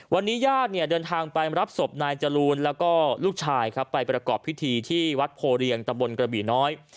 วันนี้ยากเดินทางไปรับศพนายจรูนและลูกชายไปประกอบพิธีที่วัดโพเรียงตำบลกระบิน้อย